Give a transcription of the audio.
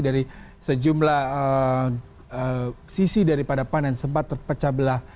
dari sejumlah sisi daripada pan yang sempat terpecah belah